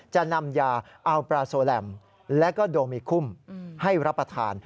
จะนำยาอัลปลาโซแลมและก็โดมิคุมให้รับประทาน